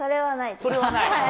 それはない？